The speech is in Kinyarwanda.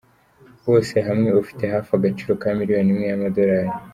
Wose hamwe ufite hafi agaciro ka miliyoni imwe y’amadolari.